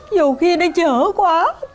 dù khi nó chở quá